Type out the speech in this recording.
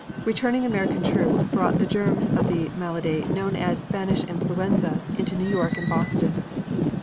Returning American troops brought the germs of the malady known as "Spanish influenza" into New York and Boston.